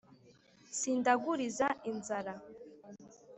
Sindaguliza inzara